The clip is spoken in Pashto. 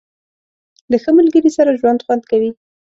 • له ښه ملګري سره ژوند خوند کوي.